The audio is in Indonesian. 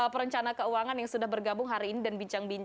perencana keuangan yang sudah bergabung hari ini dan bincang bincang